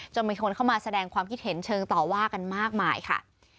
มีคนเข้ามาแสดงความคิดเห็นเชิงต่อว่ากันมากมายค่ะ